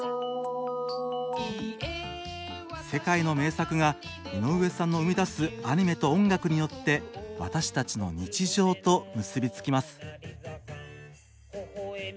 世界の名作が井上さんの生み出すアニメと音楽によって私たちの日常と結び付きます。